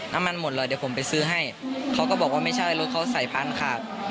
หมดเลยเดี๋ยวผมไปซื้อให้เขาก็บอกว่าไม่ใช่รถเขาใส่พานขาด